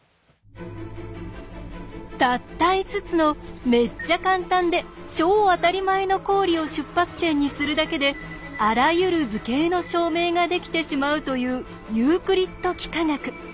たった５つのめっちゃカンタンで超あたりまえの公理を出発点にするだけであらゆる図形の証明ができてしまうというユークリッド幾何学。